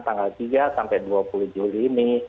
tanggal tiga sampai dua puluh juli ini